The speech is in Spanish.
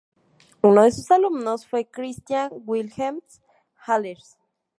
Uno de sus alumnos fue Christian Wilhelm Allers.